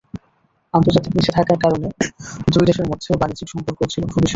আন্তর্জাতিক নিষেধাজ্ঞার কারণে দুই দেশের মধ্যে বাণিজ্যিক সম্পর্কও ছিল খুবই সীমিত।